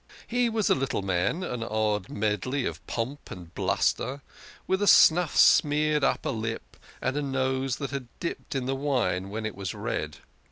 He was a little man, an odd medley of pomp and bluster, with a snuff smeared upper lip, and a nose that had dipped in the wine when it was red.